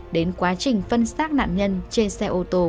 đến quá trình phân xác nạn nhân trên xe ô tô